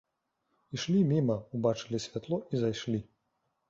Ішлі міма, убачылі святло і зайшлі.